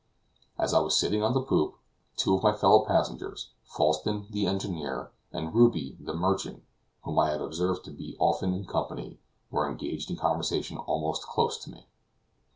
As I was sitting on the poop, two of my fellow passengers, Falsten, the engineer, and Ruby, the merchant, whom I had observed to be often in company, were engaged in conversation almost close to me.